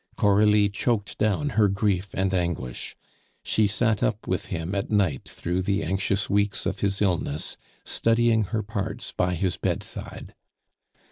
Coralie choked down her grief and anguish. She sat up with him at night through the anxious weeks of his illness, studying her parts by his bedside.